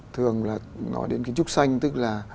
thường là nói đến kiến trúc xanh tức là